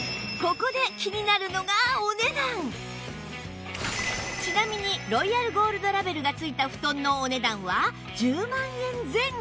ここでちなみにロイヤルゴールドラベルがついた布団のお値段は１０万円前後